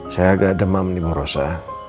saya agak demam nih bu rosa